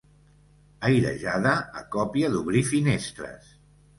Airejada a còpia d'obrir finestres.